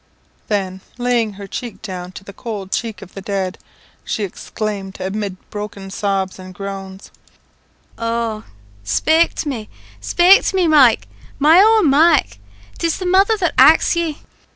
Then laying her cheek down to the cold cheek of the dead, she exclaimed, amid broken sobs and groans "Oh, spake to me spake to me, Mike my own Mike 'tis the mother that axes ye."